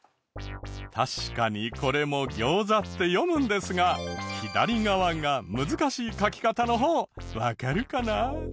確かにこれもギョウザって読むんですが左側が難しい書き方のほうわかるかな？